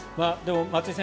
松井さん